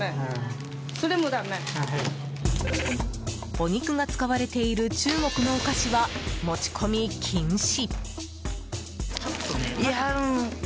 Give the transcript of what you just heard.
お肉が使われている中国のお菓子は持ち込み禁止。